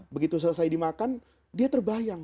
begitu selesai dimakan dia terbayang